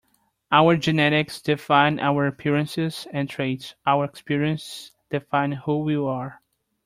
Our genetics define our appearances and traits. Our experiences define who we are.